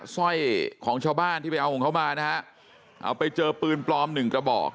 สร้อยของชาวบ้านที่ไปเอาของเขามานะฮะเอาไปเจอปืนปลอมหนึ่งกระบอก